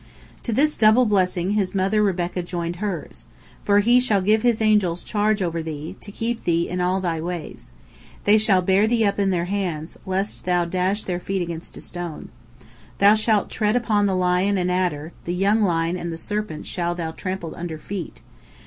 To this double blessing his mother Rebekah joined hers: "For He shall give His angels charge over thee, to keep thee in all thy ways. They shall bear thee up in their hands, lest thou dash thy feet against a stone. Thou shalt tread upon the lion and adder; the young lion and the serpent shalt thou trample under feet.